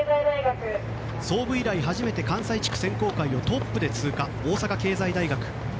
創部以来初めて関西地区選考会をトップで通過大阪経済大学。